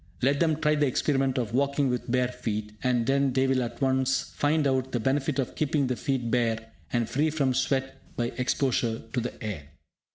Let them try the experiment of walking with bare feet, and then they will at once find out the benefit of keeping the feet bare, and free from sweat by exposure to the air.